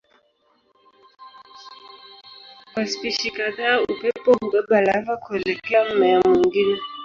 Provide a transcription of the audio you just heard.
Kwa spishi kadhaa upepo hubeba lava kuelekea mmea mwingine.